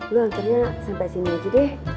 lo akhirnya sampai sini aja deh